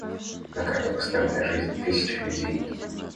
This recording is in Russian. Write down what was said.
На карту поставлена жизнь тысяч людей.